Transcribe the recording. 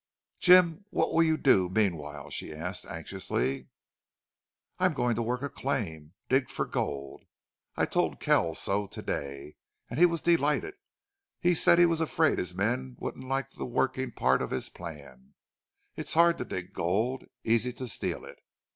"Jim, what'll you do meanwhile?" she asked, anxiously. "I'm going to work a claim. Dig for gold. I told Kells so to day, and he was delighted. He said he was afraid his men wouldn't like the working part of his plan. It's hard to dig gold. Easy to steal it.